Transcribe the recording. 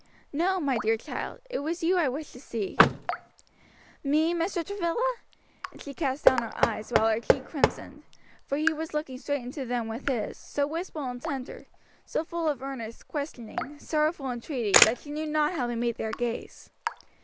"No, my dear child, it was you I wished to see." "Me, Mr. Travilla?" and she east down her eyes, while her cheek crimsoned; for he was looking straight into them with his, so wistful and tender, so fall of earnest, questioning, sorrowful entreaty, that she knew not how to meet their gaze.